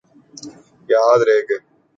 یاد رہے کہ